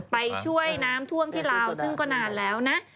ไปช่วยน้ำท่วมที่ลาวซึ่งก็นานแล้วนะ